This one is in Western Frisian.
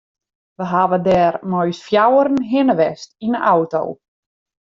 We hawwe dêr mei ús fjouweren hinne west yn de auto.